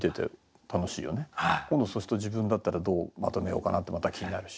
今度そうすると自分だったらどうまとめようかなってまた気になるし。